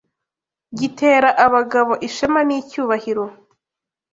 Gitera abagabo ishema n,icyubahiro